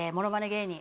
芸人